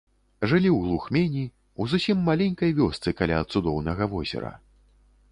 Жылі ў глухмені, у зусім маленькай вёсцы каля цудоўнага возера.